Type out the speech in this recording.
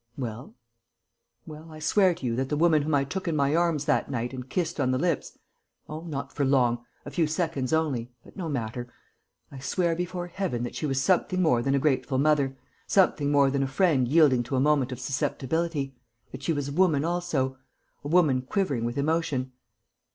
"Well?" "Well, I swear to you that the woman whom I took in my arms that night and kissed on the lips oh, not for long: a few seconds only, but no matter! I swear before heaven that she was something more than a grateful mother, something more than a friend yielding to a moment of susceptibility, that she was a woman also, a woman quivering with emotion...."